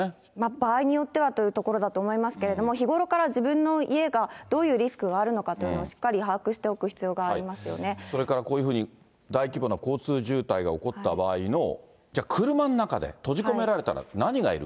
場合によってはというところだと思いますけれども、日頃から自分の家がどういうリスクがあるのかというのをしっかり把握してそれからこういうふうに、大規模な交通渋滞が起こった場合の、じゃあ、車の中で閉じ込められたら何がいる。